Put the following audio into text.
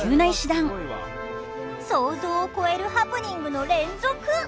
想像を超えるハプニングの連続！